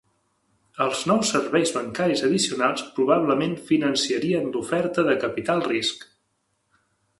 Els nou serveis bancaris addicionals probablement finançarien l'oferta de capital risc.